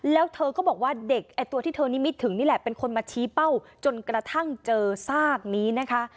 แล้วเธอก็บอกว่าเด็กไอ้ตัวที่เธอนิมิตถึงนี่แหละเป็นคนมาชี้เป้าจนกระทั่งเจอซากนี้นะคะ